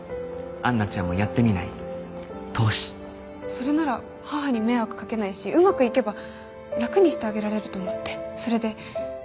それなら母に迷惑かけないしうまくいけば楽にしてあげられると思ってそれで。